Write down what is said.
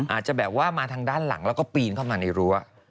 อาจจะแบบว่ามาทางด้านหลังแล้วก็ปีนเข้ามาในรั้ว